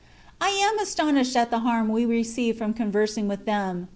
1 am astonished at the harm we receive from conversing with them.